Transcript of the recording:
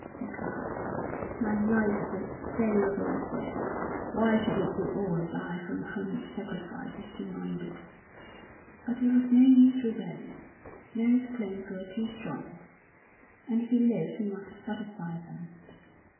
he cried. "My life is as valuable as theirs. Why should it be always I from whom sacrifice is demanded?" But it was no use rebelling. Mary's claims were too strong, and if he lived he must satisfy them.